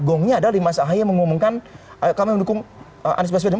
gongnya adalah mas ahaye mengumumkan kami mendukung anies baspedem